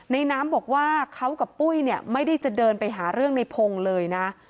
น้ำบอกว่าเขากับปุ้ยเนี่ยไม่ได้จะเดินไปหาเรื่องในพงศ์เลยนะ